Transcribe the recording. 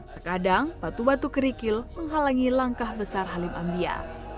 terkadang batu batu kerikil menghalangi langkah besar halim ambia